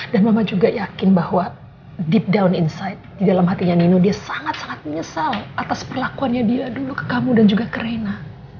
dan mama juga yakin bahwa dalam hati nino dia sangat sangat menyesal atas perlakuannya dia dulu ke kamu dan ke reina